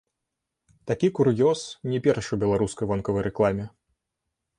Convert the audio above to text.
Такі кур'ёз не першы ў беларускай вонкавай рэкламе.